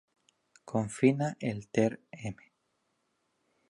Confina el TÉr.m.